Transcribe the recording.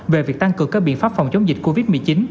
về việc tăng cường các biện pháp phòng chống dịch covid một mươi chín